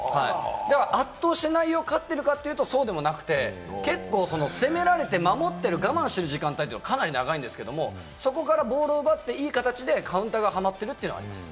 どうして内容が勝ってるかというと、そうではなくて、結構攻められて守っている、我慢してる時間帯がかなり長いんですけれど、そこからボールを奪って、いい形でカウンターがハマっているというのがあります。